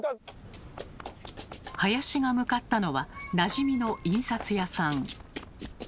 林が向かったのはなじみの印刷屋さん。